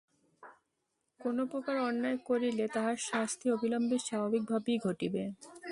কোন প্রকার অন্যায় করিলে তাহার শাস্তি অবিলম্বে স্বাভাবিকভাবেই ঘটিবে।